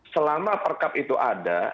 selama perkab itu ada